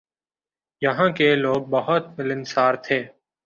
یہاں کے لوگ بہت ملنسار تھے ۔